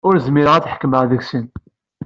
Ur zmireɣ ad ḥekmeɣ deg-sen.